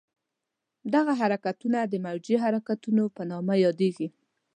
دغه حرکتونه د موجي حرکتونو په نامه یادېږي.